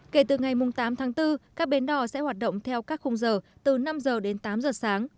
kể từ ngày tám tháng bốn các bến đò sẽ hoạt động theo các khung giờ từ năm giờ đến tám giờ sáng